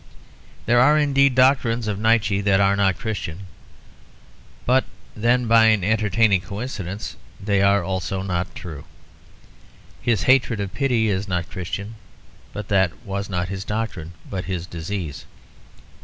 There are indeed doctrines of Nietzsche that are not Christian, but then, by an entertaining coincidence, they are also not true. His hatred of pity is not Christian, but that was not his doctrine but his disease.